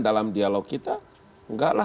dalam dialog kita